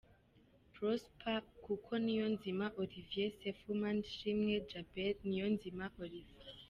Prosper Kuka , Niyonzima Olivier Sefu, Manishimwe Djabel, Niyonzima Olivier